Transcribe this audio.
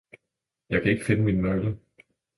Jeg kan ikke finde mine nøgler.